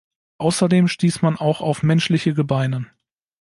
Außerdem stieß man auch auf menschliche Gebeine.